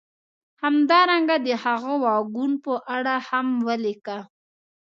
همدارنګه د هغه واګون په اړه هم ولیکه